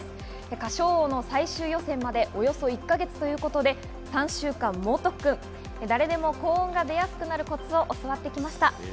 『歌唱王』の最終予選までおよそ１か月ということで、３週間猛特訓、誰でも高音が出やすくなるコツを教わってきました。